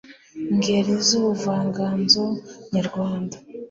ngeri z'ubuvanganzo nyarwanda